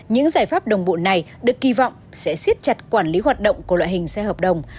những giải pháp đồng bộ này được kỳ vọng sẽ xiết chặt quản lý hoạt động của loại hình xe hợp đồng